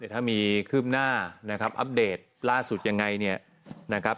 ถ้ามีคืบหน้านะครับอัปเดตล่าสุดยังไงเนี่ยนะครับ